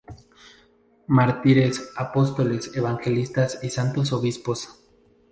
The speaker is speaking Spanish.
Mártires, Apóstoles, Evangelistas y Santos Obispos.